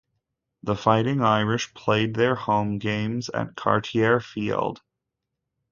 The Fighting Irish played their home games at Cartier Field.